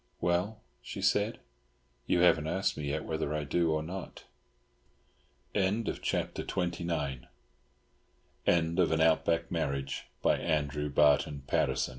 "Well," she said, "you haven't asked me yet whether I do or not!" End of the Project Gutenberg EBook of An Outback Marriage, by Andrew Barton P